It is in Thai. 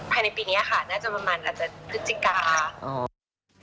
ภายในปีนี้ค่ะน่าจะประมาณอาจจะพฤศจิกา